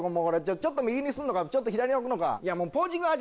ちょっと右にすんのかちょっと左に置くのか。